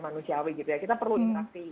manusiawi kita perlu interaksi